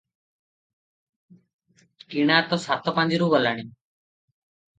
"କିଣା ତ ସାତ ପାଞ୍ଜିରୁ ଗଲାଣି ।